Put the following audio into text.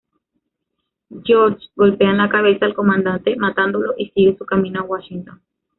George golpea en la cabeza al comandante matándolo y sigue su camino a Washington.